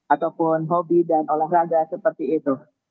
ataupun hobi dan olahraga seperti itu